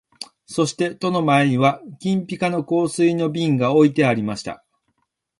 そして戸の前には金ピカの香水の瓶が置いてありました